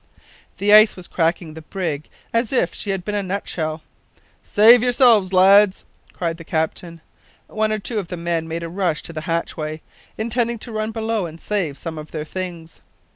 The ice was cracking the brig as if she had been a nut shell. `Save yourselves, lads!' cried the captain. One or two of the men made a rush to the hatchway, intending to run below and save some of their things.